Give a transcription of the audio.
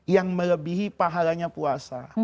yang melebihi pahalanya puasa